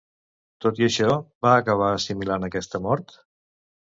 Tot i això, va acabar assimilant aquesta mort?